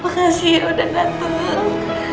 makasih udah dateng